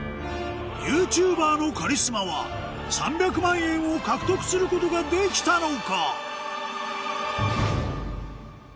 ＹｏｕＴｕｂｅｒのカリスマは３００万円を獲得することができたのか？